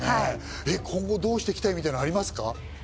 今後どうしていきたいみたいなのありますか？